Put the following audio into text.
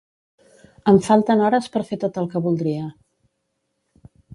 Em falten hores per fer tot el que voldria